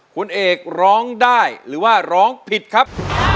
คุณเอกร้องได้หรือว่าร้องผิดครับ